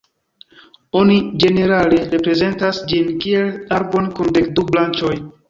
Oni ĝenerale reprezentas ĝin kiel arbon kun dek du branĉoj.